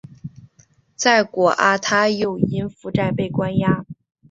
在果阿他又因负债被关押。